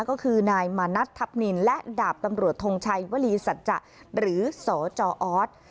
ก็คือนายมานัดทัพนินและดาบตำรวจทงชัยวลีสัจจะหรือสจออส